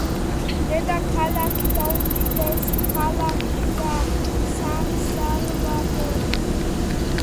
დედაქალაქი და უდიდესი ქალაქია სან-სალვადორი.